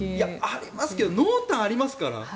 ありますが濃淡がありますから。